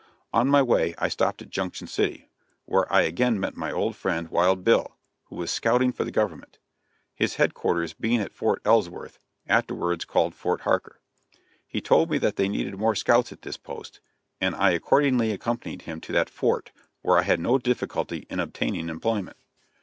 On my way I stopped at Junction City, where I again met my old friend Wild Bill, who was scouting for the government; his headquarters being at Fort Ellsworth, afterwards called Fort Harker. He told me that they needed more scouts at this post, and I accordingly accompanied him to that fort, where I had no difficulty in obtaining employment.